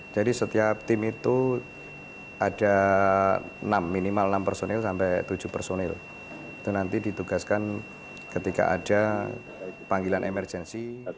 jadi setiap tim itu ada enam minimal enam personil sampai tujuh personil itu nanti ditugaskan ketika ada panggilan emergensi